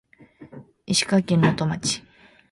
石川県能登町